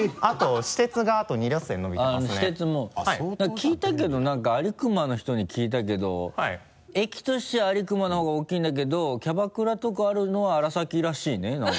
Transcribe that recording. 聞いたけどなんか安里隈の人に聞いたけど駅としては安里隈の方が大きいんだけどキャバクラとかあるのは荒崎らしいねなんか。